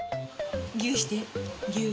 ぎゅーして、ぎゅー。